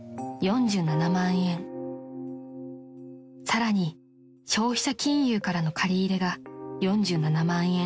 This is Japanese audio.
［さらに消費者金融からの借り入れが４７万円］